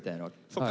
そっか。